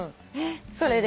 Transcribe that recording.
それです。